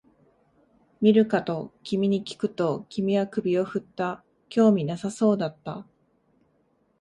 見るかと君にきくと、君は首を振った、興味なさそうだった